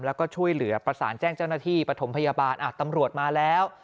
แล้วก็ช่วยเหลือประสานแจ้งเจ้าหน้าที่ปฐมพยาบาลตำรวจมาแล้ว